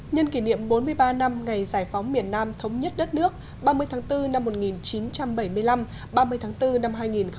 nhân kỷ niệm bốn mươi ba năm ngày giải phóng miền nam thống nhất đất nước ba mươi tháng bốn năm một nghìn chín trăm bảy mươi năm ba mươi tháng bốn năm hai nghìn hai mươi